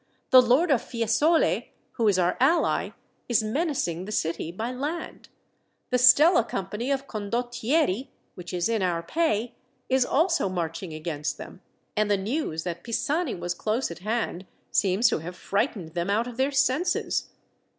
The Lord of Fiesole, who is our ally, is menacing the city by land; the Stella Company of Condottieri, which is in our pay, is also marching against them; and the news that Pisani was close at hand seems to have frightened them out of their senses.